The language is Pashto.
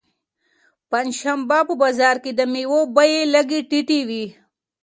پنجشنبه په بازار کې د مېوو بیې لږې ټیټې وي.